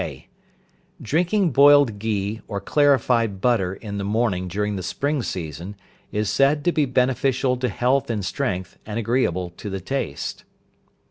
(k). Drinking boiled ghee, or clarified butter in the morning during the spring season, is said to be beneficial to health and strength, and agreeable to the taste.